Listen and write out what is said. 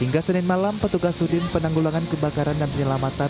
hingga senin malam petugas sudin penanggulangan kebakaran dan penyelamatan